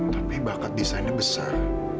tapi bakat desainnya besar